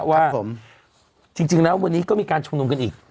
ครับผมเพราะว่าจริงแล้ววันนี้ก็มีการชุมนุมกันอีก